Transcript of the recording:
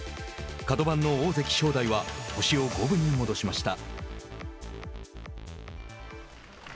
角番の大関・正代は星を五分に戻しました。